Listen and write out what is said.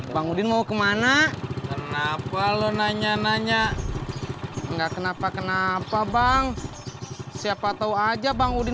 bang udin mau kemana kenapa lo nanya nanya enggak kenapa kenapa bang siapa tau aja bang udin